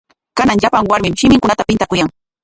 Kanan llapan warmim shiminkunata pintakuyan.